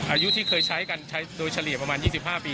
อายุที่เคยใช้กันใช้โดยเฉลี่ยประมาณ๒๕ปี